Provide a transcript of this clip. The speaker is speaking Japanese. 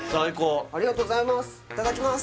ありがとうございます！